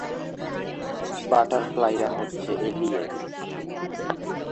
বাটারফ্লাইরা হচ্ছে এলিয়েন।